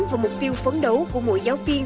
và mục tiêu phấn đấu của mỗi giáo viên